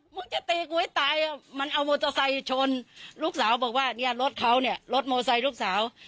มึงจะตีกูให้ตายมันเอามอเตอร์ไซค์ชนลูกสาวบอกว่าเนี่ยรถเขาเนี่ยรถมอไซค์ลูกสาว